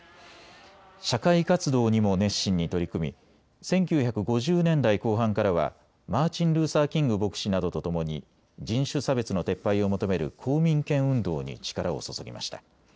社会活動にも熱心に取り組み１９５０年代後半からはマーチン・ルーサー・キング牧師などと共に人種差別の撤廃を求める公民権運動に力を注ぎました。